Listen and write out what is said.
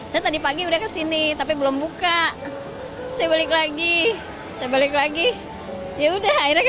saya tadi pagi udah kesini tapi belum buka saya balik lagi saya balik lagi ya udah akhirnya ke